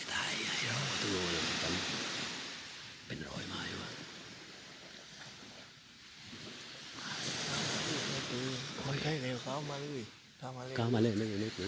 สวัสดีครับสวัสดีครับ